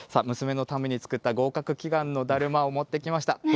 娘のために作った、合格祈願のだるまを持ってきました。